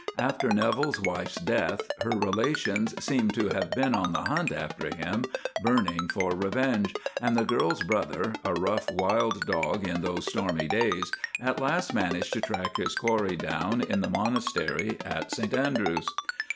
After Neville's wife's death, her relations seem to have been on the hunt after him, burning for revenge, and the girl's brother, a rough, wild dog in those stormy days, at last managed to track his quarry down in the monastery at St Andrews."